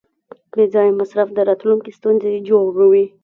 بېځایه مصرف د راتلونکي ستونزې جوړوي.